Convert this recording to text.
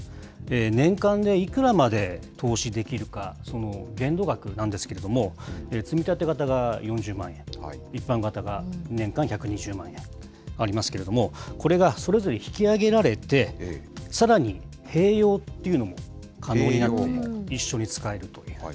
年間でいくらまで投資できるか、その限度額なんですけれども、つみたて型が４０万円、一般型が年間１２０万円ありますけれども、これがそれぞれ引き上げられて、さらに併用っていうのも可能になって、一緒に使えるという。